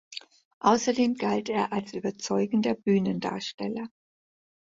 Außerdem galt er als überzeugender Bühnendarsteller.